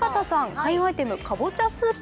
開運アイテム、かぼちゃスープ。